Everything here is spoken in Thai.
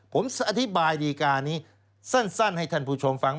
ผมอธิบายดีการนี้สั้นให้ท่านผู้ชมฟัง